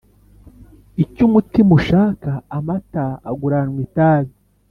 Icyumutima ushaka amata agurannwa itabi